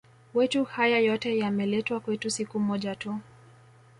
wetu haya yote yameletwa kwetu siku moja tu